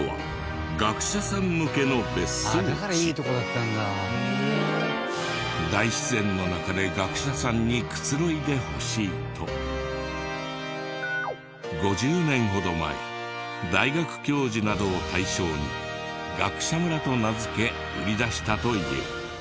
ここら辺大自然の中で学者さんにくつろいでほしいと５０年ほど前大学教授などを対象に学者村と名付け売り出したという。